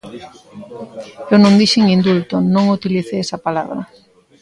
Eu non dixen indulto, non utilicei esa palabra.